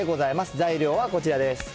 材料はこちらです。